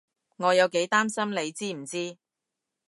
我有幾擔心你知唔知？